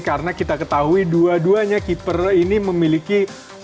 karena kita ketahui dua duanya keeper ini memiliki rekor yang sangat menarik